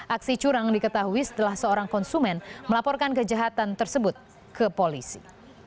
aksi curang diketahui setelah seorang konsumen melaporkan kejahatan tersebut ke polisi